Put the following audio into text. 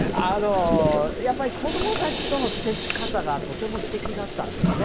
やっぱり子供たちとの接し方がとても素敵だったんですね。